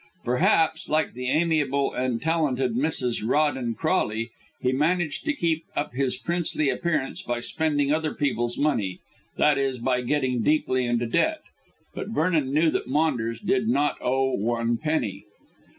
Perhaps, like the amiable and talented Mrs. Rawdon Crawley, he managed to keep up his princely appearance by spending other people's money that is, by getting deeply into debt. But Vernon knew that Maunders did not owe one penny.